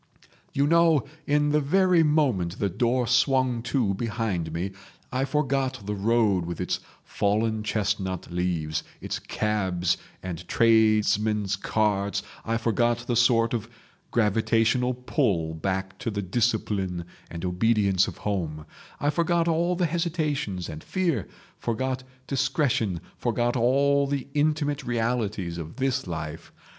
"You know, in the very moment the door swung to behind me, I forgot the road with its fallen chestnut leaves, its cabs and tradesmen's carts, I forgot the sort of gravitational pull back to the discipline and obedience of home, I forgot all hesitations and fear, forgot discretion, forgot all the intimate realities of this life.